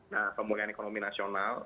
nah pemulihan ekonomi nasional